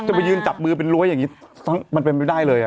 ไปยืนจับมือเป็นรั้วอย่างนี้มันเป็นไปได้เลย